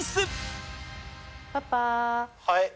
はい。